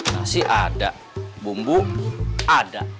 nasi ada bumbu ada